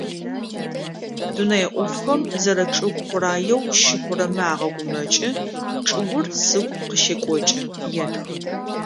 Дунэе Ӏофхэм, зэрэчӏыгу хъураеу щыхъурэмэ агъэгумэкӏы: «Чӏыгур сыгу къыщекӏокӏы»,- етхы.